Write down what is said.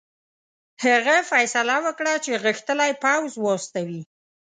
هغه فیصله وکړه چې غښتلی پوځ واستوي.